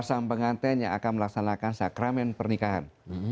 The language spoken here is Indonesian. sang pengantin yang akan melaksanakan sakramen pernikahan